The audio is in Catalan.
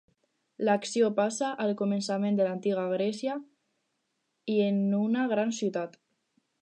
L'acció passa al començament de l'antiga Grècia i en una gran ciutat.